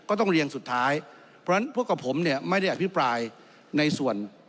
ต้องเรียงสุดท้ายเพราะฉะนั้นพวกกับผมเนี่ยไม่ได้อภิปรายในส่วน